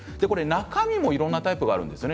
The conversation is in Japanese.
中身もいろいろなタイプがあるんですよね？